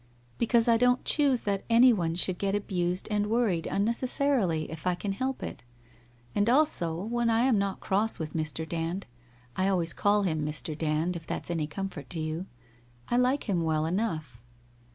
'Because I don't choose that anyone should get abused and worried unnecessarily, it' I can help it. And also when I am not crosfl with .Mr. Dand — I always call him Mr. Dand if that's any comfort to you — 1 like him well enough.